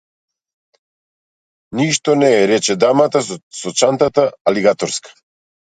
Ништо не е, рече дамата со чантата алигаторска.